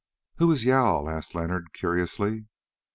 "Who is Jâl?" asked Leonard curiously.